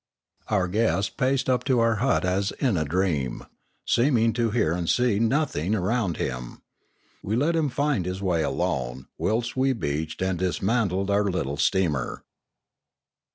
Our guest paced up to our hut as in a dream, seem ing to hear and see nothing around him. We let him find his way alone, whilst we beached and dismantled our little steamer.